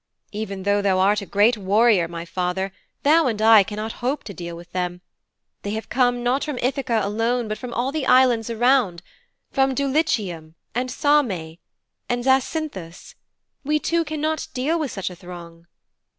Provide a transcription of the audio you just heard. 'Even though thou art a great warrior, my father, thou and I cannot hope to deal with them. They have come, not from Ithaka alone, but from all the islands around from Dulichium and Same and Zacynthus. We two cannot deal with such a throng.'